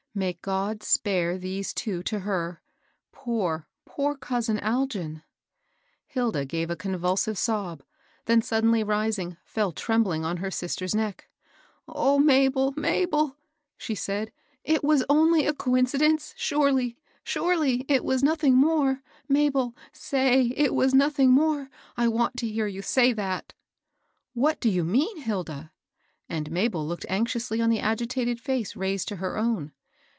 May God spare these two to her I Poor, poor cousin Algin !" Hilda gave a convulsive sob; then, suddenly rising, fell trembling on her sister's neck. " O Mabel, Mabel 1 " she said ; *^it was only a coincidence, — surely, surely, it was nothing more. Mabel ! Bay it was nothing more ! I want to hear you say that 1 " "What do you mean, Hilda?" and Mabel looked anxiously on the agitated face raised to her own.